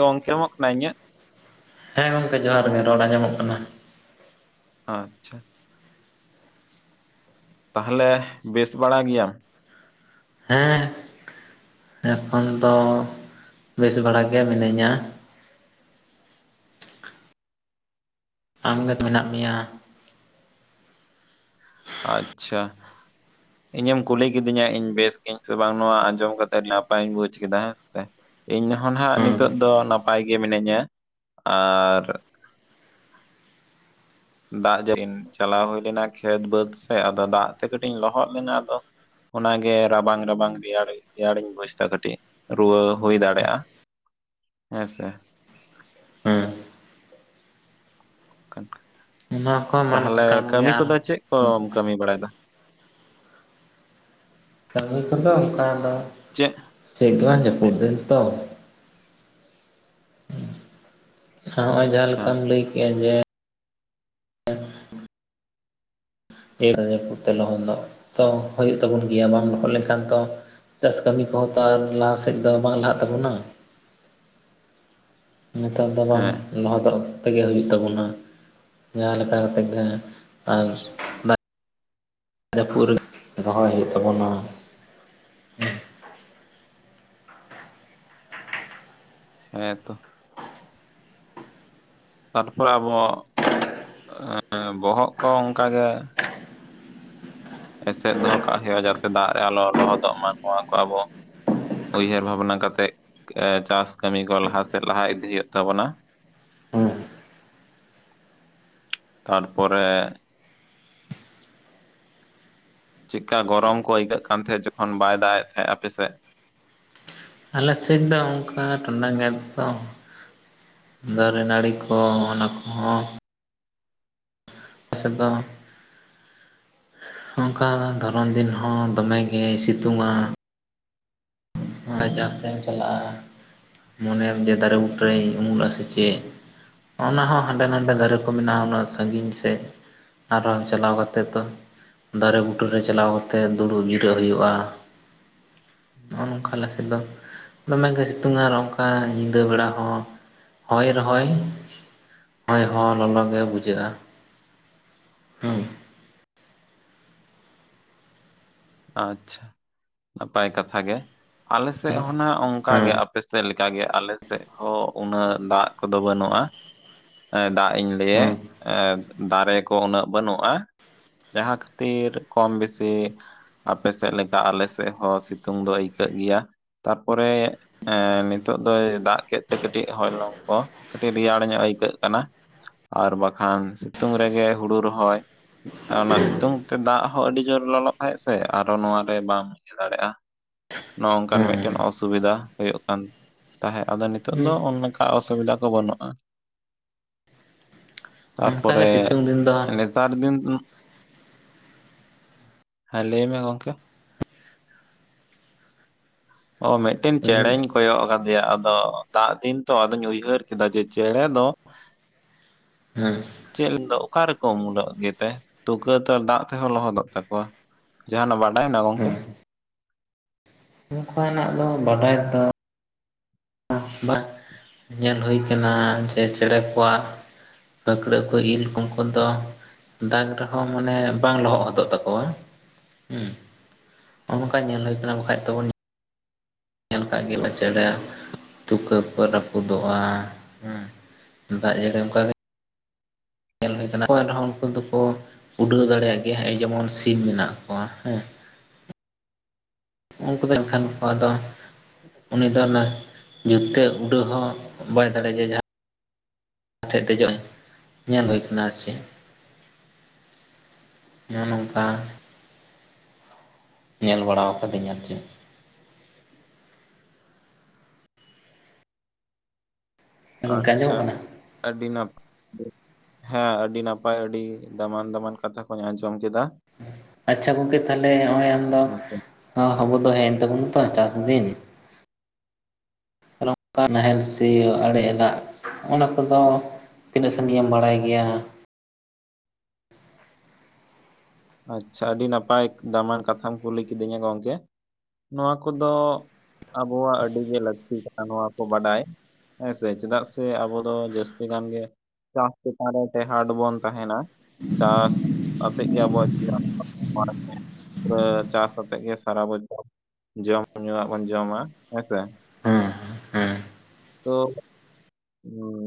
ᱜᱚᱝᱠᱮ ᱮᱢᱚᱜ ᱠᱟᱱᱟ ᱤᱧᱟᱜ ᱦᱮᱸ ᱜᱚᱢᱠᱮ ᱡᱚᱦᱟᱨ ᱜᱮ ᱨᱚᱲ ᱟᱸᱡᱚᱢᱚᱜ ᱠᱟᱱᱟ᱾ ᱟᱪᱷᱟ ᱛᱟᱦᱟᱞᱮ ᱵᱮᱥ ᱵᱟᱲᱟ ᱜᱮᱭᱟᱢ? ᱦᱮᱸ ᱮᱠᱷᱚᱱ ᱫᱚ ᱵᱮᱥ ᱵᱷᱟᱲᱟ ᱜᱮ ᱢᱤᱱᱟᱹᱧᱟ᱾ ᱟᱢᱜᱮ ᱚᱠᱟᱞᱮᱠᱟ ᱢᱮᱱᱟᱜ ᱢᱮᱭᱟ? ᱟᱪᱷᱟ ᱤᱧᱮᱢ ᱠᱩᱞᱤ ᱠᱤᱫᱤᱧᱟ ᱤᱧ ᱵᱮᱥ ᱜᱮᱤᱭᱟᱹᱧ ᱥᱮ ᱵᱟᱝ ᱱᱚᱣᱟ ᱟᱸᱡᱚᱢ ᱠᱟᱛᱮ ᱱᱟᱯᱟᱭᱤᱧ ᱵᱩᱡ ᱠᱮᱫᱟ ᱦᱮᱸ ᱯᱮ ᱤᱧ ᱦᱚᱸ ᱱᱟᱦᱟᱜ ᱦᱩᱸ ᱱᱤᱛᱚᱜ ᱫᱚ ᱱᱟᱯᱟᱭ ᱜᱮ ᱢᱤᱱᱟᱹᱧᱟ᱾ ᱟᱨ ᱫᱟᱜ ᱡᱟᱹᱲᱤᱧ ᱪᱟᱞᱟᱣ ᱦᱩᱭ ᱞᱮᱱᱟ ᱠᱷᱮᱛ ᱵᱟᱹᱫᱽ ᱥᱮᱜᱽ ᱟᱫᱚ ᱫᱟᱜ ᱛᱮ ᱠᱟᱹᱴᱤᱡ ᱤᱧ ᱞᱚᱦᱚᱫ ᱞᱮᱱᱟ ᱟᱫᱚ ᱚᱱᱟᱜᱮ ᱨᱟᱵᱟᱝ-ᱨᱟᱵᱟᱝ ᱨᱮᱭᱟᱲ ᱨᱮᱭᱟᱲᱤᱧ ᱵᱩᱡ ᱮᱫᱟ ᱠᱟᱹᱴᱤᱡ, ᱨᱩᱣᱟᱹ ᱦᱩᱭ ᱫᱟᱲᱮᱭᱟᱜᱼᱟ ᱦᱮᱸᱥᱮ, ᱦᱩᱸ ᱚᱱᱟ ᱠᱚ ᱢᱟᱱ ᱛᱟᱦᱚᱞᱮ ᱠᱟᱱ ᱠᱟᱹᱢᱤ ᱜᱮᱭᱟ ᱟᱨ ᱠᱚᱫᱚ ᱪᱮᱜᱽ ᱠᱚᱢ ᱠᱟᱹᱢᱤ ᱵᱟᱲᱟᱭᱮᱫᱟ? ᱠᱟᱹᱢᱤ ᱠᱚᱫᱚ ᱚᱱᱠᱟ ᱫᱚ ᱪᱮᱜᱽ [unintelligible] ᱥᱮᱫ ᱛᱚ [unintelligible] ᱡᱟᱦᱟᱸ ᱟᱪᱪᱷᱟ ᱞᱮᱠᱟᱢ ᱞᱟᱹᱭ ᱠᱮᱜᱼᱟ ᱡᱮ ᱲ ᱠᱚᱛᱮ ᱞᱚᱦᱚᱱ ᱱᱚᱜ ᱛᱚ ᱦᱩᱭᱩᱜ ᱛᱟᱵᱚᱱ ᱜᱮᱭᱟ ᱵᱟᱢ ᱞᱚᱦᱚᱫ ᱞᱮᱱᱠᱷᱟᱱ ᱛᱚ ᱪᱟᱥ ᱠᱟᱹᱢᱤ ᱠᱚᱦᱚᱸ ᱛᱚ, ᱟᱨ ᱞᱟᱦᱟᱥᱮᱫ ᱫᱚ ᱵᱟᱝ ᱞᱟᱦᱟᱜ ᱛᱟᱵᱚᱱᱟ, ᱱᱤᱛᱚᱜ ᱫᱚ ᱵᱟᱝ ᱦᱮᱸ ᱞᱚᱫᱚᱜ ᱚᱠ ᱛᱮᱜᱮ ᱦᱩᱭᱩᱜ ᱛᱟᱵᱚᱱᱟ, ᱡᱟᱦᱟᱸ ᱞᱮᱠᱟ ᱠᱟ ᱠᱟᱛᱮᱫ ᱜᱮ, ᱟᱨ ᱫᱟᱜ ᱡᱟᱹᱯᱩᱫ ᱨᱮ ᱨᱚᱦᱚᱭ ᱦᱩᱭᱩᱜ ᱛᱟᱵᱚᱱᱟ᱾ ᱦᱮᱸᱛᱚ᱾ ᱛᱟᱨᱯᱚᱨᱮ ᱟᱵᱚ ᱵᱚᱦᱚᱜ ᱠᱚ ᱚᱱᱠᱟᱜᱮ ᱮᱥᱮᱫ ᱫᱚᱦᱚ ᱠᱟᱜ ᱦᱩᱭᱩᱜᱼᱟ ᱡᱟᱛᱮ ᱫᱟᱜ ᱨᱮ ᱟᱞᱚ ᱞᱚᱦᱚᱫᱚᱜ ᱢᱟ ᱱᱚᱭᱟ ᱠᱚ ᱟᱵᱚ ᱩᱭᱦᱟᱹᱨ ᱵᱷᱟᱵᱽᱱᱟ ᱠᱟᱛᱮᱜᱽ ᱮ ᱪᱟᱥ ᱠᱟᱹᱢᱤ ᱠᱚ ᱞᱟᱦᱟ ᱥᱮᱫ ᱞᱟᱦᱟ ᱤᱫᱤ ᱦᱩᱭᱩᱜ ᱛᱟᱵᱚᱱᱟ᱾ [inaudible] ᱦᱮᱸ ᱛᱟᱨᱯᱚᱨᱮ ᱪᱮᱜᱽᱠᱟ ᱜᱚᱨᱚᱢ ᱠᱚ ᱟᱹᱭᱠᱟᱹᱜ ᱠᱟᱱ ᱛᱟᱦᱮᱸᱜ? ᱡᱚᱠᱷᱚᱱ ᱵᱟᱭ ᱫᱟᱜ ᱮᱫ ᱛᱟᱦᱮᱸᱜ ᱟᱯᱮᱥᱮᱫ, ᱟᱞᱮ ᱥᱤᱫ ᱝᱠᱟ ᱴᱩᱱᱟᱹᱜ ᱫᱚ ᱫᱟᱨᱮ ᱱᱟᱹᱲᱤ ᱠᱚ ᱚᱱᱟ ᱠᱚᱦᱚᱸ ᱥᱮᱫᱚ ᱚᱝᱠᱟ ᱫᱷᱚᱨᱚᱱ ᱫᱤᱱ ᱦᱚᱸ ᱫᱚᱢᱮᱜᱮᱭ ᱥᱤᱛᱩᱝᱼᱟ, [unintelligible] ᱡᱟ ᱥᱮᱫ ᱮᱢ ᱪᱟᱞᱟᱜᱼᱟ ᱢᱚᱱᱮᱢ ᱡᱮ ᱫᱟᱨᱮ ᱵᱩᱴ ᱨᱮ ᱩᱢᱩᱞ ᱟᱥᱮ ᱪᱮᱫ ᱚᱱᱟ ᱦᱚᱸ ᱦᱟᱸᱰᱮ ᱱᱟᱰᱮ ᱫᱟᱨᱮ ᱠᱚ ᱢᱮᱱᱟᱜᱼᱟ, ᱩᱱᱟᱹᱜ ᱥᱟᱺᱜᱤᱧ ᱥᱮᱫ ᱟᱨᱦᱚᱸ ᱪᱟᱞᱟᱣ ᱠᱟᱛᱮ ᱫᱚ ᱫᱟᱨᱮ ᱵᱩᱴᱟᱹᱨ ᱨᱮ ᱪᱟᱞᱟᱣ ᱠᱟᱛᱮᱫ, ᱫᱩᱲᱩᱵ ᱡᱤᱨᱟᱹᱜ ᱦᱩᱭᱩᱜᱼᱟ, [inaudible] ᱚᱝᱠᱟ ᱞᱮ ᱥᱮᱫᱚ ᱫᱚᱢᱮᱜᱮ ᱥᱤᱛᱩᱝ ᱟᱨ ᱚᱱᱠᱟ ᱧᱤᱫᱟᱹ ᱵᱮᱲᱟ ᱦᱚᱸ ᱦᱚᱭ ᱨᱚᱦᱚᱭ, ᱦᱚᱭ ᱦᱚ ᱞᱚᱞᱚᱜᱮ ᱵᱩᱡᱷᱟᱹᱜᱼᱟ᱾ ᱦᱩᱸ ᱟᱪᱷᱟ ᱱᱟᱯᱟᱭ ᱠᱟᱛᱷᱟ ᱜᱮ᱾ ᱟᱞᱮ ᱥᱮᱫ ᱦᱚᱸᱱᱟᱜ ᱚᱝᱠᱟᱜᱮ, ᱦᱩᱸ ᱟᱯᱮ ᱥᱮᱫ ᱞᱮᱠᱟᱜᱮ ᱟᱞᱮ ᱦᱚᱸ ᱩᱱᱟᱹᱜ ᱫᱟᱜ ᱠᱚᱫᱚ ᱵᱟᱹᱱᱩᱜᱼᱟ᱾ ᱫᱟᱜ ᱤᱧ ᱞᱟᱹᱮᱜᱽ, ᱦᱩᱸ ᱫᱟᱨᱮ ᱠᱚ ᱩᱱᱟᱹᱜ ᱵᱟᱹᱱᱩᱜᱼᱟ᱾ ᱡᱟᱦᱟᱸ ᱠᱷᱟᱹᱛᱤᱨ ᱠᱚᱢ ᱵᱮᱥᱤ ᱟᱯᱮ ᱥᱮᱫ ᱞᱮᱠᱟ ᱟᱞᱮ ᱥᱮᱫ ᱦᱚᱸ ᱥᱤᱛᱩᱝ ᱫᱚ ᱟᱹᱭᱠᱟᱹᱜ ᱜᱮᱭᱟ, ᱛᱟᱨᱯᱚᱨᱮ ᱮᱸ ᱱᱤᱛᱚᱜ ᱫᱚᱭ ᱫᱟᱜ ᱠᱮᱫ ᱛᱮ ᱠᱟᱹᱴᱤᱡ ᱦᱚᱭᱞᱚᱝ ᱠᱚ, ᱠᱟᱹᱴᱤᱡ ᱨᱮᱭᱟᱲ ᱧᱚᱜ ᱟᱹᱭᱠᱟᱹᱜ ᱠᱟᱱᱟ᱾ ᱟᱨ ᱵᱟᱠᱷᱟᱱ ᱥᱤᱛᱩᱝ ᱨᱮᱜᱮ ᱦᱩᱲᱩ ᱨᱚᱦᱚᱭ ᱚᱱᱟ ᱥᱤᱛᱩᱝ ᱛᱮ ᱫᱟᱜ ᱦᱚᱸ ᱟᱹᱰᱤ ᱡᱳᱨ ᱞᱚᱞᱚ ᱛᱟᱦᱮᱸᱥ ᱥᱮ ᱟᱨᱚ ᱱᱚᱣᱟ ᱨᱮ ᱵᱟᱢ ᱪᱤᱠᱟᱹ ᱫᱟᱲᱮᱭᱟᱜᱼᱟ, ᱱᱚᱜᱝᱠᱟᱱ ᱦᱩᱸ ᱢᱤᱫ ᱚᱥᱩᱵᱤᱫᱟ ᱦᱩᱭᱩᱜ ᱠᱟᱱ ᱛᱟᱦᱮᱸᱜᱽ, ᱟᱫᱚ ᱱᱤᱛᱚᱜ ᱫᱚ ᱦᱩᱸ ᱚᱱᱠᱟ ᱚᱥᱩᱵᱤᱫᱟ ᱠᱚ ᱵᱟᱹᱱᱩᱜᱼᱟ᱾ ᱚᱱᱠᱟᱜᱮ ᱛᱟᱨᱯᱚᱨᱮ ᱥᱤᱛᱩᱝ ᱫᱤᱱ ᱫᱚ [unintelligible] ᱛᱟᱨᱫᱤᱱ ᱩᱸᱜᱽ ᱦᱮᱸ ᱞᱟᱹᱭ ᱢᱮ ᱜᱚᱝᱠᱮ? ᱚ ᱢᱤᱫᱽᱴᱮᱱ ᱦᱩᱸ ᱪᱮᱬᱮᱧ ᱠᱚᱭᱚᱜ ᱟᱠᱟᱫᱮᱭᱟ, ᱟᱫᱚ ᱫᱟᱜ ᱫᱤᱱ ᱛᱚ, ᱟᱫᱚᱧ ᱩᱭᱦᱟᱹᱨ ᱠᱮᱫᱟ ᱡᱮ ᱪᱮᱬᱮ ᱫᱚ ᱦᱚᱻᱸ ᱪᱮᱫ ᱫᱚ ᱚᱠᱟᱨᱚᱠᱚᱢ ᱩᱢᱩᱞᱚᱜ ᱜᱮᱛᱮ ᱛᱩᱠᱟᱹᱛᱮ ᱫᱟᱜ ᱛᱮᱦᱚᱸ ᱞᱚᱦᱚᱫᱚᱜ ᱛᱟᱠᱚᱣᱟ ᱡᱟᱦᱟᱱᱟᱜ ᱵᱟᱰᱟᱭᱱᱟ ᱜᱚᱝᱠᱮ ᱱᱚᱝᱠᱟᱱᱟᱜ ᱫᱚ ᱵᱟᱰᱟᱭ ᱫᱚ ᱵᱟᱝ ᱧᱮᱞ ᱦᱩᱭ ᱠᱟᱱᱟ ᱡᱮ ᱪᱮᱬᱮ ᱠᱚᱣᱟᱜ ᱯᱟᱹᱠᱲᱟᱹ ᱠᱚ ᱤᱞ ᱠᱚᱠᱩ ᱫᱚ ᱫᱟᱜᱽ ᱨᱮᱦᱚᱸ ᱢᱟᱱᱮ ᱵᱟᱝ ᱞᱚᱦᱚᱫ ᱦᱚᱫᱚᱜ ᱛᱟᱠᱚᱣᱟ ᱦᱮᱸ ᱱᱚᱠᱟ ᱧᱮᱞ ᱦᱩᱭ ᱠᱟᱱᱟ ᱵᱟᱠᱷᱟᱡ ᱛᱚ ᱧᱮᱞ ᱠᱟᱜ [unintelligible] [unintelligible] ᱛᱩᱠᱟᱹ ᱠᱚ ᱨᱟᱹᱯᱩᱫᱚᱜᱼᱟ, ᱦᱩᱸ ᱫᱟᱜ ᱡᱟᱹᱲᱤ ᱚᱱᱠᱟᱜᱮ ᱧᱮᱞ ᱦᱩᱭ ᱟᱠᱟᱱᱟ [unintelligible] ᱨᱮᱦᱚᱸ ᱩᱱᱠᱩ ᱫᱚᱠᱚ ᱩᱰᱟᱹᱣ ᱫᱟᱲᱮᱭᱟᱜ ᱜᱮᱭᱟ ᱡᱮᱢᱚᱱ ᱥᱤᱢ ᱢᱮᱱᱟᱜ ᱠᱚᱣᱟ ᱦᱮᱸ ᱾ ᱩᱱᱠᱩ ᱫᱚ ᱮᱱᱠᱷᱟᱱᱠᱩ ᱟᱫᱚ ᱩᱱᱤ ᱫᱚ ᱚᱱᱟ ᱡᱩᱨ ᱛᱮ ᱩᱰᱟᱹᱣ ᱦᱚᱸ ᱵᱟᱭ ᱫᱟᱲᱮᱭᱟᱜᱼᱟ ᱡᱟᱦᱟᱸ ᱚᱱᱟ ᱴᱷᱮᱡ ᱫᱮᱡᱚᱜ ᱧᱮᱞ ᱦᱩᱭ ᱟᱠᱟᱱᱟ ᱟᱨ ᱪᱮᱫ ᱾ ᱱᱚᱜᱼᱚᱭ ᱱᱚᱝᱠᱟ ᱧᱮᱞ ᱵᱟᱲᱟᱣ ᱠᱟᱹᱫᱟᱹᱧ ᱟᱨ [unintelligible] ᱜᱚᱝᱠᱮ ᱟᱪᱪᱷᱟ ᱟᱸᱡᱚᱢᱚᱜ ᱠᱟᱱᱟ ᱾ ᱟᱹᱰᱤ ᱱᱟᱯᱟᱭ ᱦᱮᱸ ᱟᱹᱰᱤ ᱱᱟᱯᱟᱭ ᱟᱹᱰᱤ ᱫᱟᱢᱟᱱ ᱫᱟᱢᱟᱱ ᱠᱟᱛᱷᱟ ᱠᱚᱧ ᱟᱸᱡᱚᱢ ᱠᱮᱫᱟ ᱾ ᱟᱪᱪᱷᱟ ᱜᱚᱢᱠᱮ ᱛᱟᱦᱞᱮ ᱱᱚᱜᱼᱚᱭ ᱟᱢ ᱫᱚ ᱦᱮᱸᱥᱮ ᱟᱵᱩ ᱫᱚ ᱦᱮᱡᱭᱮᱱ ᱛᱟᱵᱚᱱᱟ ᱛᱚ ᱪᱟᱥ ᱫᱤᱱ ᱾ ᱱᱚᱝᱠᱟ ᱱᱟᱦᱮᱞ ᱥᱮ ᱟᱲᱮ ᱞᱟᱜ ᱚᱱᱟ ᱠᱚᱫᱚ ᱛᱤᱱᱟᱹᱜ ᱥᱟᱺᱜᱤᱮᱢ ᱵᱟᱲᱟᱭ ᱜᱮᱭᱟ? ᱟᱪᱪᱷᱟ ᱟᱹᱰᱤ ᱱᱟᱯᱟᱭ ᱫᱟᱢᱟᱱ ᱠᱟᱛᱷᱟᱢ ᱠᱩᱞᱤ ᱠᱤᱫᱤᱧᱟ ᱜᱚᱝᱠᱮ ᱾ ᱱᱚᱣᱟ ᱠᱚᱫᱚ ᱟᱵᱚᱣᱟᱜ ᱟᱹᱰᱤ ᱜᱮ ᱞᱟᱹᱠᱛᱤ ᱠᱟᱱᱟ ᱱᱚᱣᱟ ᱠᱚ ᱵᱟᱰᱟᱭ ᱾ ᱦᱮᱸᱥᱮ ᱪᱮᱫᱟᱜ ᱥᱮ ᱟᱵᱚ ᱫᱚ ᱡᱟᱹᱥᱛᱤ ᱜᱟᱱ ᱜᱮ ᱪᱟᱥ ᱪᱮᱛᱟᱱ ᱨᱮ ᱴᱮᱦᱟᱰ ᱵᱚᱱ ᱛᱟᱜᱤᱱᱟ ᱾ ᱪᱟᱥ ᱟᱛᱮᱫ ᱜᱮ ᱟᱵᱚᱣᱟᱜ [unintelligible] ᱯᱩᱨᱟᱹ ᱪᱟᱥ ᱟᱛᱮᱜ ᱜᱮ ᱥᱟᱨᱟ ᱵᱚᱪᱷᱟᱨ ᱡᱚᱢ ᱧᱩᱣᱟᱜ ᱵᱚᱱ ᱡᱚᱢᱟ ᱦᱮᱸᱥᱮ ᱾ ᱦᱮᱸ ᱦᱮᱸ ᱛᱚ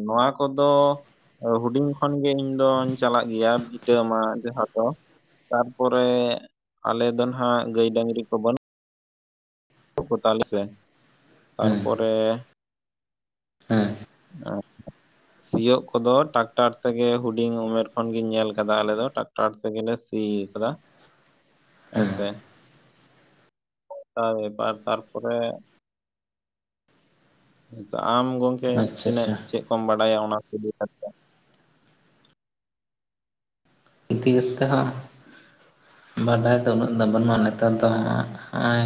ᱱᱚᱣᱟ ᱠᱚᱫᱚ ᱦᱩᱰᱤᱧ ᱠᱷᱚᱱᱜᱮᱧ ᱤᱧ ᱫᱚᱧ ᱪᱟᱞᱟᱜ ᱜᱮᱭᱟ ᱵᱷᱤᱴᱟᱹ ᱢᱟᱜ ᱡᱟᱦᱟᱸ ᱫᱚ ᱛᱟᱨᱯᱚᱨᱮ ᱟᱞᱮ ᱫᱚ ᱱᱟᱦᱟᱜ ᱜᱟᱹᱭ ᱰᱟᱹᱝᱨᱤ ᱠᱚ ᱵᱟᱹᱱᱩᱜ ᱠᱚ ᱛᱟᱞᱮ ᱥᱮ ᱦᱮᱸ ᱛᱟᱨᱯᱚᱨᱮ ᱦᱮᱸ [unintelligible] ᱥᱤᱭᱳᱜ ᱠᱚᱫᱚ ᱴᱟᱠᱴᱟᱨ ᱛᱮᱜᱮ ᱦᱩᱰᱤᱧ ᱩᱢᱮᱨ ᱠᱷᱚᱱᱜᱤᱧ ᱧᱮᱞ ᱟᱠᱟᱫᱟ ᱟᱞᱮᱫ ᱫᱚ ᱴᱟᱠᱴᱟᱨ ᱴᱟᱠᱴᱟᱨ ᱛᱮᱜᱮᱞᱮ ᱥᱤᱭ ᱠᱟᱫᱟ, ᱦᱮᱸᱥᱮ ᱦᱮᱸ ᱾ [unintelligible] ᱛᱟᱨᱯᱚᱨ ᱛᱚ ᱟᱢ ᱜᱚᱝᱠᱮ ᱟᱪᱪᱷᱟ ᱛᱤᱱᱟᱹᱜ ᱟᱪᱪᱷᱟ ᱪᱮᱫ ᱠᱚᱢ ᱵᱟᱰᱟᱭᱟ ᱚᱱᱟ ᱠᱩ‌ ᱤᱫᱤ ᱠᱟᱛᱮᱜ [unintelligible] ᱵᱟᱰᱟᱭ ᱫᱚ ᱩᱱᱟᱹᱜ ᱫᱚ ᱵᱟᱹᱱᱩᱜᱼᱟ ᱱᱮᱛᱟᱨ ᱫᱚ ᱦᱟᱸᱜ ᱦᱟᱜᱼᱚᱭ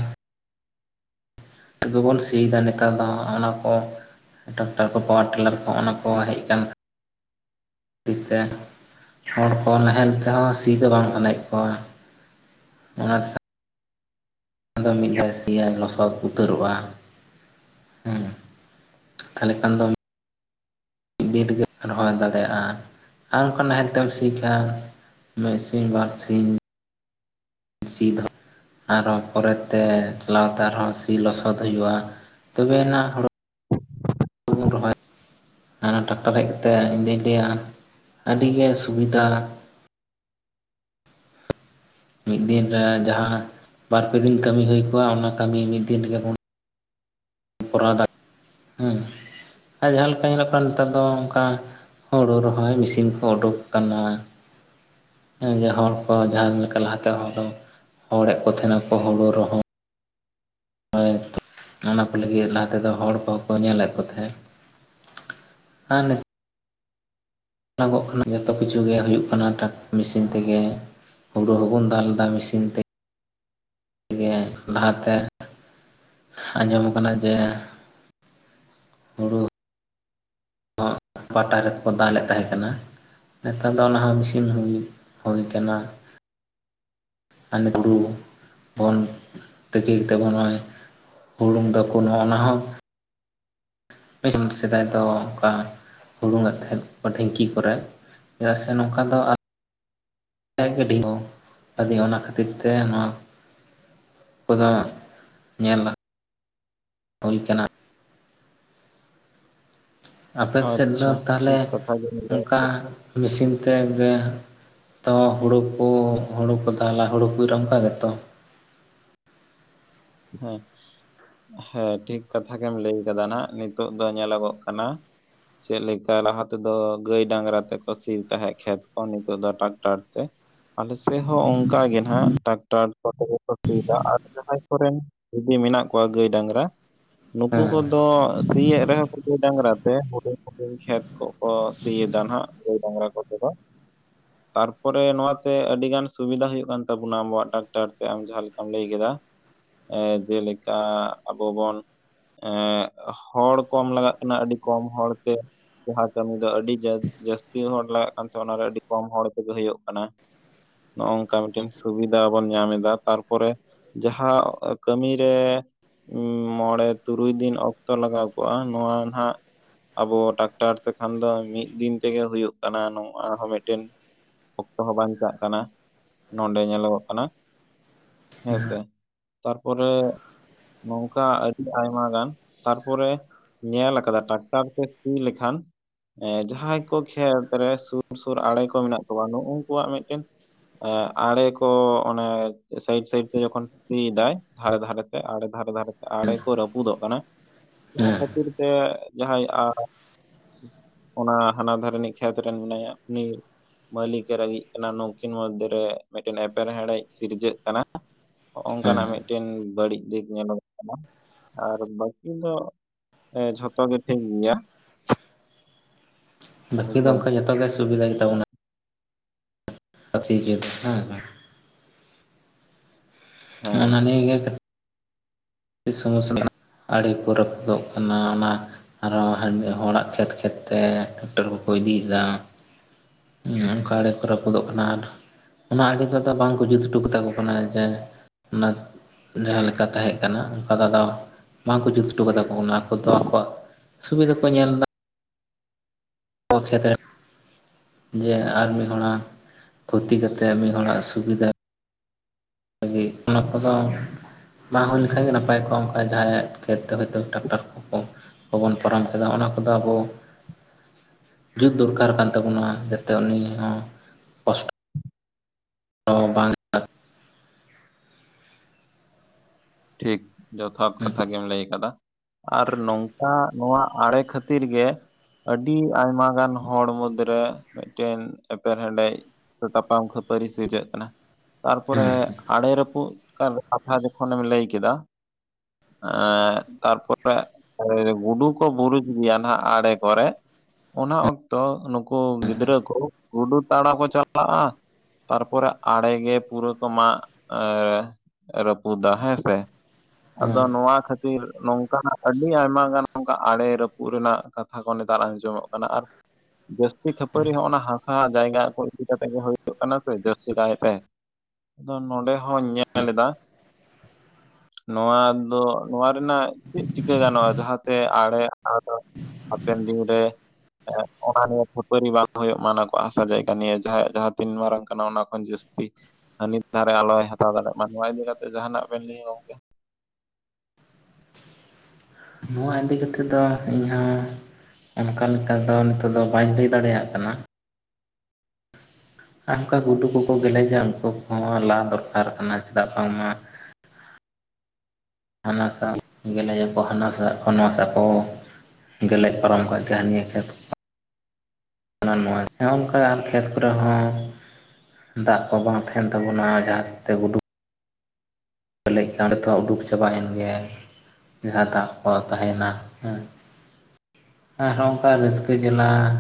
ᱛᱚᱵᱮ ᱵᱚᱱ ᱥᱤᱭᱮᱫᱟ ᱱᱮᱛᱟᱨ ᱫᱚ ᱚᱱᱟ ᱠᱚ ᱴᱟᱠᱴᱟᱨ ᱠᱚ ᱯᱟᱣᱟᱨ ᱴᱮᱞᱟᱨ ᱠᱚ ᱚᱱᱟ ᱠᱚ ᱦᱮᱡ ᱟᱠᱟᱱ ᱾ [unintelligible] ᱛᱮ ᱦᱚᱲ ᱠᱚ ᱱᱟᱦᱮᱞ ᱛᱮᱦᱚᱸ ᱥᱤ ᱫᱚ ᱵᱟᱝ ᱥᱟᱱᱟᱭᱮᱫ ᱠᱚᱣᱟ ᱾ [unintelligible] ᱚᱱᱟᱫᱚ ᱢᱤᱫ ᱫᱷᱟᱣ ᱥᱤᱭᱟᱭ ᱞᱚᱥᱚᱫ ᱩᱛᱟᱹᱨᱚᱜᱼᱟ ᱾ ᱦᱮᱸ ᱛᱟᱦᱚᱞᱮ ᱠᱷᱟᱱ ᱫᱚ ᱢᱤᱫ ᱫᱤᱱ ᱨᱮᱜᱮᱢ ᱨᱚᱦᱚᱭ ᱫᱟᱲᱮᱭᱟᱜᱼᱟ ᱾ ᱟᱨ ᱚᱱᱠᱟ ᱱᱟᱦᱮᱞ ᱛᱮᱢ ᱥᱤ ᱠᱷᱟᱱ ᱢᱮᱥᱤᱱ ᱵᱟᱨᱥᱤᱝ ᱥᱤᱫᱷᱟ [unintelligible] ᱟᱨᱦᱚᱸ ᱯᱚᱨᱮᱛᱮ ᱪᱟᱞᱟᱣᱛᱮ ᱟᱨᱦᱚᱸ ᱥᱤ ᱞᱚᱥᱚᱫ ᱦᱩᱭᱩᱜᱼᱟ ᱛᱚᱵᱮ ᱮᱱᱟᱜ ᱦᱩᱲᱩ [unintelligible] ᱟᱨ ᱴᱟᱠᱴᱟᱨ ᱦᱮᱡ ᱠᱟᱛᱮᱫ ᱤᱧᱫᱚᱧ ᱞᱟᱹᱭᱟ ᱟᱹᱰᱤᱜᱮ ᱥᱩᱵᱤᱫᱷᱟ ᱢᱤᱫ ᱫᱤᱱ ᱨᱮ ᱡᱟᱦᱟᱸ ᱵᱟᱨ ᱯᱮ ᱫᱤᱱ ᱠᱟᱹᱢᱤ ᱦᱩᱭ ᱠᱚᱜᱼᱟ ᱚᱱᱟ ᱠᱟᱹᱢᱤ ᱢᱤᱫ ᱫᱤᱱ ᱨᱮᱜᱮ ᱵᱚᱱ ᱠᱚᱨᱟᱣ ᱫᱟ ᱦᱮᱸ ᱟᱨ ᱡᱟᱦᱟᱸ ᱞᱮᱠᱟ ᱧᱮᱞᱚᱜ ᱠᱟᱱᱟ ᱱᱮᱛᱟᱨ ᱫᱚ ᱚᱱᱠᱟ ᱦᱚᱲᱚ ᱨᱚᱦᱚᱭ ᱢᱮᱥᱤᱱ ᱠᱚ ᱚᱰᱚᱠ ᱟᱠᱟᱱᱟ ᱾ ᱡᱮ ᱦᱚᱲ ᱠᱚ ᱡᱟᱦᱟᱸ ᱞᱮᱠᱟ ᱞᱟᱦᱟᱛᱮ ᱦᱚᱲ ᱦᱚᱲᱮᱫ ᱠᱚ ᱛᱟᱦᱮᱱᱟᱠᱚ ᱦᱩᱲᱩ ᱨᱚᱦᱚᱸ ᱦᱚᱭ ᱚᱱᱟ ᱠᱚ ᱞᱟᱹᱜᱤᱫ ᱞᱟᱦᱟ ᱛᱮᱫᱚ ᱦᱚᱲ ᱠᱚᱦᱚᱸ ᱠᱚ ᱧᱮᱞᱮᱫ ᱠᱚ ᱛᱟᱦᱮᱸᱫ ᱾ [unintelligible] [unintelligible] ᱠᱟᱱᱟ ᱡᱚᱛᱚ ᱠᱤᱪᱷᱩ ᱜᱮ ᱦᱩᱭᱩᱜ ᱠᱟᱱᱟᱠ ᱢᱮᱥᱤᱱ ᱛᱮᱜᱮ ᱾ ᱦᱩᱲᱩ ᱦᱚᱸᱵᱚᱱ ᱫᱟᱞ ᱮᱫᱟ ᱢᱮᱥᱤᱱ ᱛᱮ ᱾ ᱮ ᱞᱟᱦᱟᱛᱮ ᱟᱸᱡᱚᱢ ᱠᱟᱱᱟ ᱡᱮᱼᱼ [unintelligible] ᱯᱟᱴᱟ ᱨᱮᱠᱚ ᱫᱟᱞᱮᱫ ᱛᱟᱦᱮᱸ ᱠᱟᱱᱟ ᱾ ᱱᱮᱛᱟᱨ ᱫᱚ ᱚᱱᱟ ᱦᱚᱸᱢᱮᱥᱤᱱ ᱦᱩᱭ, ᱦᱩᱭ ᱟᱠᱟᱱᱟ ᱾ ᱦᱟᱱᱮ ᱦᱩᱲᱩ ᱵᱚᱱ ᱛᱤᱠᱤ ᱛᱮᱵᱚ ᱱᱭᱼᱼ ᱦᱩᱲᱩᱝ ᱛᱟᱠᱚ ᱱᱚᱜᱼᱱᱟ ᱦᱚᱸ ᱢᱤᱫ ᱥᱮᱫᱟᱭ ᱫᱚ ᱚᱱᱠᱟ ᱦᱩᱲᱩᱝ ᱮᱫ ᱛᱟᱦᱮᱸᱫ ᱠᱚ ᱰᱷᱤᱝᱠᱤ ᱠᱚᱨᱮ ᱾ ᱡᱮᱭᱥᱮ ᱱᱚᱝᱠᱟ ᱫᱚᱼᱼ [unintelligible] ᱜᱟᱹᱰᱤ ᱦᱚᱸ ᱟᱫᱚ ᱚᱱᱟ ᱠᱷᱟᱹᱛᱤᱨ ᱛᱮ ᱠᱚ ᱫᱚ ᱧᱮᱞ ᱦᱩᱭ ᱟᱠᱟᱱᱟ ᱾ ᱟᱯᱮ ᱥᱮᱫ ᱫᱚ ᱟᱪᱪᱷᱟ ᱛᱟᱦᱞᱮ ᱴᱷᱤᱠ ᱠᱟᱛᱷᱟ ᱜᱮᱢ ᱞᱟᱹᱭ ᱚᱱᱠᱟ ᱢᱮᱥᱤᱱ ᱛᱮ ᱜᱮᱼᱼ ᱛᱚ ᱦᱩᱲᱩ ᱠᱚ ᱦᱩᱲᱩ ᱠᱚ ᱫᱟᱞᱟ ᱦᱩᱲᱩ ᱠᱚ ᱤᱨᱟ ᱚᱱᱠᱟ ᱜᱮᱛᱚ ᱾ ᱦᱮᱸ ᱦᱮᱸ ᱴᱷᱤᱠ ᱠᱟᱛᱷᱟ ᱜᱮᱢ ᱞᱟᱹᱭ ᱟᱠᱟᱫᱟ ᱱᱟᱱᱟᱜ ᱱᱤᱛᱚᱜ ᱫᱚ ᱧᱮᱞᱚᱜᱚᱜ ᱠᱟᱱᱟ, ᱪᱮᱫ ᱞᱮᱠᱟ ᱞᱟᱦᱟ ᱛᱮᱫᱚ ᱜᱟᱹᱭ ᱰᱟᱝᱨᱟ ᱛᱮᱠᱚ ᱥᱤ ᱛᱟᱦᱮᱸᱫ ᱠᱷᱮᱛ ᱠᱚ ᱱᱤᱛᱚᱜ ᱫᱚ ᱴᱨᱟᱠᱴᱟᱨ ᱛᱮ ᱾ ᱟᱞᱮ ᱥᱮᱫ ᱦᱚᱸ ᱚᱱᱠᱟ ᱜᱮ ᱱᱟᱜ ᱴᱟᱠᱴᱟᱨ ᱠᱚᱛᱮ ᱠᱚ ᱥᱤ ᱮᱫᱟ ᱟᱨ ᱡᱟᱦᱟᱸᱭᱼᱼ ᱠᱚᱨᱮᱱ ᱡᱩᱫᱤ ᱢᱮᱱᱟᱜ ᱠᱚᱣᱟ ᱜᱟᱹᱭ ᱰᱟᱝᱨᱟ, ᱱᱩᱠᱩ ᱠᱚᱼᱼ ᱦᱮᱸ ᱛᱚ ᱥᱤᱭᱮᱫ ᱨᱮᱦᱚᱸ ᱠᱚ ᱜᱟᱹᱭ ᱰᱟᱝᱨᱟ ᱛᱮ ᱦᱩᱰᱤᱧ ᱦᱩᱰᱤᱧ ᱠᱷᱮᱛ ᱠᱚ ᱠᱚ ᱥᱤᱭᱮᱫᱟ ᱱᱟᱜ ᱜᱟᱹᱭ ᱰᱟᱝᱨᱟ ᱠᱚᱛᱮ ᱫᱚ ᱾ ᱛᱟᱨᱯᱚᱨᱮ ᱱᱚᱣᱟᱛᱮ ᱟᱹᱰᱤᱜᱟᱱ ᱥᱩᱵᱤᱫᱷᱟ ᱦᱩᱭᱩᱜ ᱠᱟᱱ ᱛᱟᱵᱚᱱᱟ ᱟᱵᱚᱣᱟᱜ ᱴᱟᱠᱴᱟᱨ ᱛᱮ ᱟᱢ ᱡᱟᱦᱟᱸ ᱞᱮᱠᱟᱢ ᱞᱟᱹᱭ ᱠᱮᱫᱟ ᱾ ᱮᱸ ᱡᱮᱞᱮᱠᱟ ᱟᱵᱚ ᱵᱚᱱᱼᱼ ᱮᱸ ᱦᱚᱲ ᱠᱚᱢ ᱞᱟᱜᱟᱜ ᱠᱟᱱᱟ ᱟᱹᱰᱤ ᱠᱚᱢ ᱦᱚᱲᱛᱮ ᱡᱟᱦᱟᱸ ᱠᱟᱹᱢᱤ ᱫᱚ ᱟᱹᱰᱤ ᱡᱟᱹᱥᱛᱤ ᱦᱚᱲ ᱞᱟᱜᱟᱜ ᱠᱟᱱ ᱛᱮ ᱚᱱᱟ ᱨᱮ ᱟᱹᱰᱤ ᱠᱚᱢ ᱦᱚᱲ ᱛᱮᱜᱮ ᱦᱩᱭᱩᱜ ᱠᱟᱱᱟ ᱾ ᱱᱚᱜᱼᱚ ᱱᱚᱝᱠᱟ ᱢᱤᱫᱴᱮᱱ ᱥᱩᱵᱤᱫᱷᱟ ᱵᱚᱱ ᱧᱟᱢ ᱮᱫᱟ ᱛᱟᱨᱯᱚᱨᱮᱼᱼ ᱡᱟᱦᱟᱸ ᱠᱟᱹᱢᱮ ᱨᱮᱼᱼ ᱩᱸ ᱢᱚᱬᱮ ᱛᱩᱨᱩᱭ ᱫᱤᱱ ᱚᱠᱛᱚ ᱞᱟᱜᱟᱣ ᱠᱚᱜᱼᱟ ᱱᱚᱣᱟ ᱱᱟᱜ ᱟᱵᱚ ᱴᱟᱠᱴᱟᱨ ᱛᱮᱠᱷᱟᱱ ᱫᱚ ᱢᱤᱫ ᱫᱤᱱ ᱛᱮᱜᱮ ᱦᱩᱭᱩᱜ ᱠᱟᱱᱟ ᱱᱚᱜᱼᱟ ᱦᱚᱸ ᱢᱤᱫᱴᱮᱱ ᱾ ᱚᱠᱛᱚ ᱦᱚᱸ ᱵᱟᱧᱪᱟᱜ ᱠᱟᱱᱟ ᱱᱚᱰᱮ ᱧᱮᱞᱚᱜᱚᱜ ᱠᱟᱱᱟ ᱦᱮᱸᱥᱮ ᱛᱟᱨᱯᱚᱨᱮ, ᱱᱚᱝᱠᱟ ᱟᱹᱰᱤ ᱟᱭᱢᱟ ᱜᱟᱱ ᱛᱟᱨᱯᱚᱨᱮᱼᱼ ᱧᱮᱞ ᱟᱠᱟᱱᱟ ᱴᱟᱠᱴᱟᱨ ᱛᱮ ᱥᱤ ᱞᱮᱠᱷᱟᱱ ᱡᱟᱦᱟᱸᱭ ᱠᱚ ᱠᱷᱮᱛ ᱨᱮ ᱥᱩᱨ ᱥᱩᱨ ᱟᱲᱮ ᱠᱚ ᱢᱮᱱᱟᱜ ᱠᱚᱣᱟ ᱱᱩᱜᱠᱩᱣᱟᱜ ᱢᱤᱫᱴᱮᱱᱼᱼ ᱮ ᱟᱲᱮ ᱠᱚ ᱚᱱᱮ ᱥᱟᱭᱤᱰ ᱥᱟᱭᱤᱰ ᱛᱮ ᱡᱚᱠᱷᱚᱱ ᱥᱤ ᱮᱫᱟᱭ, ᱫᱷᱟᱨᱮ ᱫᱷᱟᱨᱮ ᱛᱮ ᱟᱲᱮ ᱫᱷᱟᱨᱮ ᱫᱷᱟᱨᱮᱛᱮ ᱟᱲᱮ ᱠᱚ ᱨᱟᱹᱯᱩᱫᱚᱜ ᱠᱟᱱᱟ ᱾ ᱚᱱᱟ ᱦᱮᱸ ᱠᱷᱟᱹᱛᱤᱨ ᱛᱮ ᱡᱟᱦᱟᱸᱭᱼᱟ ᱚᱱᱟ ᱦᱟᱱᱟ ᱫᱷᱟᱨᱱᱤᱡ ᱠᱷᱮᱛ ᱨᱮᱱ ᱢᱮᱱᱟᱭᱟ ᱩᱱᱤᱼᱼ ᱢᱟᱹᱞᱤᱠᱮ ᱨᱟᱹᱜᱤᱜ ᱠᱟᱱᱟ ᱱᱚᱝᱠᱤᱱ ᱢᱚᱫᱽᱫᱷᱮ ᱨᱮ ᱢᱤᱫᱴᱮᱱ ᱮᱯᱮᱨᱦᱮᱰᱮᱡ ᱥᱤᱨᱡᱟᱹᱜ ᱠᱟᱱᱟ ᱾ ᱱᱚᱜᱼᱚ ᱱᱚᱝᱠᱟᱱᱟᱜ ᱦᱮᱸ ᱢᱤᱫᱴᱮᱱᱼᱼ ᱵᱟᱹᱲᱤᱡ ᱫᱤᱠ ᱧᱮᱞᱚᱜᱚᱜ ᱠᱟᱱᱟ, ᱟᱨ ᱵᱟᱹᱠᱤ ᱫᱚ ᱡᱷᱚᱛᱚ ᱜᱮ ᱴᱷᱤᱠ ᱜᱮᱭᱟ ᱾ ᱵᱟᱹᱠᱤ ᱫᱚ ᱵᱩᱡᱷᱟᱹᱣ ᱚᱱᱠᱟ ᱡᱚᱛᱚ ᱜᱮ ᱥᱩᱵᱤᱫᱷᱟ ᱜᱮ ᱛᱟᱵᱚᱱᱟ ᱾ ᱴᱷᱤᱠᱜᱮᱭᱟ ᱦᱮᱸ ᱥᱮᱸ [unintelligible] ᱦᱮᱸ ᱱᱚᱜᱱᱚᱶᱟ ᱜᱮ [unintelligible] ᱥᱚᱢᱚᱥᱥᱟ ᱟᱹᱲᱮ ᱠᱚ ᱨᱟᱹᱯᱩᱫᱚᱜ ᱠᱟᱱᱟ ᱚᱱᱟᱼᱼ ᱟᱨᱚ ᱦᱚᱲᱟᱜ ᱠᱷᱮᱛ ᱠᱷᱮᱛ ᱛᱮ ᱴᱨᱟᱠᱴᱟᱨ ᱠᱚᱠᱚ ᱤᱫᱤᱭᱮᱫᱟ᱾ ᱚᱱᱠᱟ ᱟᱲᱮ ᱠᱚ ᱨᱟᱹᱯᱩᱫᱚᱜ ᱠᱟᱱᱟ ᱟᱨᱼᱼ ᱚᱱᱟ ᱟᱜᱮ ᱛᱮᱫᱚ ᱵᱟᱝ ᱠᱚ ᱡᱩᱛ ᱚᱴᱚ ᱠᱟᱛᱟ ᱠᱚ ᱠᱟᱱᱟ ᱡᱮ ᱚᱱᱟ ᱡᱟᱦᱟᱸ ᱞᱮᱠᱟ ᱛᱟᱦᱮᱸ ᱠᱟᱱᱟ ᱚᱱᱠᱟ ᱫᱚ ᱟᱫᱚ ᱵᱟᱝᱠᱚ ᱡᱩᱛ ᱦᱚᱴᱚ ᱠᱟᱛᱟ ᱠᱚ ᱟᱠᱚ ᱫᱚ ᱟᱠᱚᱣᱟᱜ ᱥᱩᱵᱤᱫᱷᱟ ᱠᱚ ᱧᱮᱞ ᱮᱫᱟ ᱾ ᱚ ᱠᱷᱮᱛ ᱨᱮ ᱡᱮ ᱟᱨ ᱢᱤᱫ ᱦᱚᱲᱟᱜ ᱠᱷᱚᱛᱤ ᱠᱟᱛᱮ ᱢᱤᱫ ᱦᱚᱲᱟᱜ ᱥᱩᱵᱤᱫᱟ ᱚᱱᱟ ᱠᱚᱫᱚ ᱵᱟᱝ ᱦᱩᱭ ᱞᱮᱱᱠᱷᱟᱱ ᱜᱮ ᱱᱟᱯᱟᱭ ᱠᱚᱜᱼᱟ ᱾ ᱚᱱᱠᱟ ᱡᱟᱦᱟᱸᱭᱟᱜᱼᱼ ᱠᱷᱮᱛ ᱛᱮ ᱦᱚᱭᱛᱳ ᱴᱟᱠᱴᱟᱨ [inaudible] ᱠᱚ ᱵᱟᱵᱚᱱ ᱯᱟᱨᱚᱢ ᱠᱮᱫᱟ, ᱚᱱᱟ ᱠᱚᱫᱚ ᱟᱵᱚ ᱡᱩᱫᱽ ᱫᱚᱨᱠᱟᱨ ᱠᱟᱱ ᱛᱟᱵᱚᱱᱟ, ᱡᱟᱛᱮ ᱩᱱᱤ ᱦᱚᱸ ᱠᱚᱥ ᱴᱚ ᱵᱟᱝ ᱴᱷᱤᱠ, ᱡᱚᱛᱷᱟᱛ ᱦᱮᱸ ᱠᱟᱛᱷᱟ ᱜᱮᱢ ᱞᱟᱹᱭ ᱠᱟᱫᱟ᱾ ᱟᱨ ᱱᱚᱝᱠᱟ ᱱᱚᱣᱟ ᱟᱲᱮ ᱠᱷᱟᱹᱛᱤᱨ ᱜᱮ ᱟᱹᱰᱤ ᱟᱭᱢᱟ ᱜᱟᱱ ᱦᱚᱲ ᱢᱩᱫᱽ ᱨᱮ ᱢᱤᱫᱴᱮᱱ ᱮᱯᱮᱨᱦᱮᱸᱰᱮᱡ ᱥᱮ ᱛᱟᱯᱟᱢ ᱠᱷᱟᱹᱯᱟᱹᱨᱤ ᱥᱤᱨᱡᱟᱹᱜ ᱠᱟᱱᱟ, ᱛᱟᱨᱯᱚᱨᱮ ᱦᱮᱸ ᱟᱲᱮ ᱨᱟᱹᱯᱩᱫ [inaudible] ᱠᱟᱛᱷᱟ ᱡᱚᱠᱷᱚᱱᱮᱢ ᱞᱟᱹᱭ ᱠᱮᱫᱟ, ᱮᱸ ᱛᱟᱨᱯᱚᱨᱮ ᱟᱨ ᱜᱩᱰᱩ ᱠᱚ ᱵᱩᱨᱩᱡ ᱜᱮᱭᱟ ᱱᱟᱦᱟᱜ ᱟᱲᱮ ᱠᱚᱨᱮ, ᱚᱱᱟ ᱚᱠᱛᱚ ᱱᱩᱠᱩ ᱜᱤᱫᱽᱨᱟᱹ ᱠᱚ ᱜᱩᱰᱩ ᱛᱟᱲᱟᱣ ᱠᱚ ᱪᱟᱞᱟᱜᱼᱟ, ᱛᱟᱨᱯᱚᱨᱮ ᱟᱲᱮ ᱜᱮ ᱯᱩᱨᱟᱹ ᱠᱚ ᱢᱟᱜ ᱮᱸ ᱨᱟᱹᱯᱩᱫᱟ ᱦᱮᱸ ᱥᱮ᱾ [inaudible] ᱦᱮᱸ ᱟᱫᱚ ᱱᱚᱣᱟ ᱠᱷᱟᱹᱛᱤᱨ ᱱᱚᱝᱠᱟᱱᱟᱜ ᱟᱹᱰᱤ ᱟᱭᱢᱟ ᱜᱟᱱ ᱱᱚᱝᱠᱟ ᱟᱲᱮ ᱨᱟᱹᱯᱩᱫ ᱨᱮᱱᱟᱜ ᱠᱟᱛᱷᱟ ᱠᱚ ᱱᱮᱛᱟᱨ ᱟᱸᱡᱚᱢᱚᱜ ᱠᱟᱱᱟ, ᱟᱨ ᱡᱟᱹᱥᱛᱤ ᱠᱷᱟᱹᱯᱟᱹᱨᱤ ᱦᱚᱸ ᱚᱱᱟ ᱦᱟᱥᱟ ᱡᱟᱭᱜᱟ ᱠᱚ ᱤᱫᱤ ᱠᱟᱛᱮ ᱜᱮ ᱦᱩᱭᱩᱜ ᱠᱟᱱᱟ ᱥᱮ ᱡᱟᱹᱥᱛᱤ ᱠᱟᱭᱛᱮ᱾ ᱟᱫᱚ ᱱᱚᱰᱮ ᱦᱚᱧ ᱧᱮᱞᱮᱫᱟ, ᱱᱚᱣᱟ ᱫᱚ ᱱᱚᱣᱟ ᱨᱮᱱᱟᱜ ᱪᱮᱫ ᱪᱤᱠᱟᱹ ᱜᱟᱱᱚᱜᱼᱟ ᱡᱟᱦᱟᱸᱛᱮ ᱟᱲᱮ [inaudible] ᱦᱟᱯᱮᱱ ᱫᱤᱱ ᱨᱮ ᱮᱸ ᱚᱱᱟ ᱱᱤᱭᱟᱹ ᱠᱷᱟᱹᱯᱟᱹᱨᱤ ᱵᱟᱝ ᱦᱩᱭᱩᱜ ᱢᱟ ᱚᱱᱟ ᱠᱚᱣᱟᱜ ᱦᱟᱥᱟ ᱡᱟᱭᱜᱟ ᱱᱤᱭᱟᱹ, ᱡᱟᱦᱟᱸᱭᱟᱜ ᱡᱟᱸᱦᱟ ᱛᱤᱱ ᱢᱟᱨᱟᱝ ᱠᱟᱱᱟ ᱚᱱᱟ ᱠᱷᱚᱱ ᱡᱟᱹᱥᱛᱤ, ᱦᱟᱹᱱᱤ ᱫᱷᱟᱨᱮ ᱟᱞᱚᱭ ᱦᱟᱛᱟᱣ ᱫᱟᱲᱮᱭᱟᱜ ᱢᱟ ᱱᱚᱣᱟ ᱤᱫᱤ ᱠᱟᱛᱮ ᱡᱟᱦᱟᱸᱱᱟᱜ ᱵᱮᱱ ᱞᱟᱹᱭᱟ ᱜᱚᱝᱠᱮ? ᱱᱚᱣᱟ ᱤᱫᱤ ᱠᱟᱛᱮᱫ ᱫᱚ ᱤᱧ ᱦᱚᱸ ᱚᱱᱠᱟ ᱞᱮᱠᱟ ᱫᱚ ᱱᱤᱛᱚᱜ ᱫᱚ ᱵᱟᱧ ᱞᱟᱹᱭ ᱫᱟᱲᱮᱭᱟᱜ ᱠᱟᱱᱟ, ᱟᱨ ᱚᱱᱠᱟ ᱜᱩᱰᱩ ᱠᱚᱠᱚ ᱜᱮᱞᱮᱡᱟ ᱩᱱᱠᱩ ᱠᱚᱦᱚᱸ ᱞᱟ ᱫᱚᱨᱠᱟᱨ ᱠᱟᱱᱟ ᱪᱮᱫᱟᱜ ᱵᱟᱝᱢᱟ, ᱦᱟᱱᱟ ᱥᱟᱶ ᱜᱮᱞᱮᱡᱟ ᱠᱚ ᱦᱟᱱᱟ ᱥᱟᱜ ᱠᱷᱚᱱ ᱱᱚᱣᱟ ᱥᱟᱜ ᱠᱚ, ᱜᱮᱞᱮᱡ ᱯᱟᱨᱚᱢ ᱠᱟᱜ ᱜᱮᱭᱟ ᱱᱤᱭᱟᱹ ᱠᱷᱮᱛ ᱦᱟᱱᱟ ᱱᱚᱭᱟ ᱜᱮ, ᱦᱮᱸ ᱱᱚᱝᱠᱟ ᱟᱨ ᱠᱷᱮᱛ ᱠᱚᱨᱮ ᱦᱚᱸ ᱫᱟᱜ ᱠᱚ ᱵᱟᱝ ᱛᱟᱦᱮᱱ ᱛᱟᱵᱚᱱᱟ, ᱡᱟᱦᱟᱸᱥ ᱛᱮ ᱜᱩᱰᱩ ᱜᱮᱞᱮᱡ ᱠᱟᱸᱰᱮ ᱛᱮᱦᱚᱸ ᱩᱰᱩᱠ ᱪᱟᱵᱟᱭᱮᱱ ᱜᱮᱭᱟᱭ᱾ ᱡᱟᱦᱟᱸ ᱫᱟᱜ ᱠᱚ ᱛᱟᱦᱮᱸᱱᱟ ᱦᱮᱸ, ᱟᱨ ᱦᱚᱸᱜ-ᱚᱝᱠᱟ ᱨᱟᱹᱥᱠᱟᱹ ᱡᱟᱞᱟ